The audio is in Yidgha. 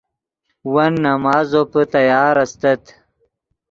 ون نماز زوپے تیار استت